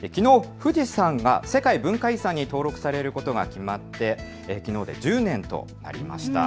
富士山が世界文化遺産に登録されることが決まってきのうで１０年となりました。